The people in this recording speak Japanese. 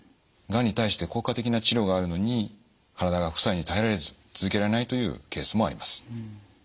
がんに対して効果的な治療があるのに体が副作用に耐えられず続けられないというケースもあります。